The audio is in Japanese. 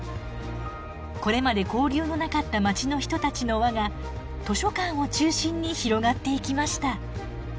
これまで交流のなかった街の人たちの輪が図書館を中心に広がっていきました。